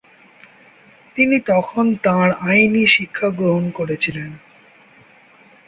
তিনি তখন তাঁর আইনি শিক্ষা গ্রহণ করেছিলেন।